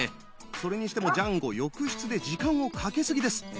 それにしてもジャンゴ浴室で時間をかけ過ぎです。